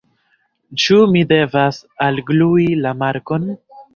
Ĉu mi devas alglui la markon?